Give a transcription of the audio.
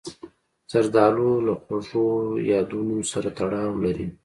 زردالو له خواږو یادونو سره تړاو لري.